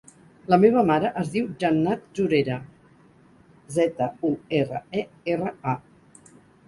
La meva mare es diu Jannat Zurera: zeta, u, erra, e, erra, a.